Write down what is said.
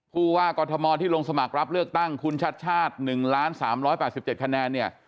ผู้ว่ากรทมที่ลงสมัครรับเลือกตั้งคุณชัดชาติ๑๓๘๗คะแนนเนี่ย